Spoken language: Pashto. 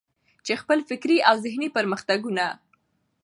چې خپل فکري او ذهني پرمختګونه.